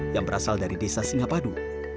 yang berasal dari desa singapadu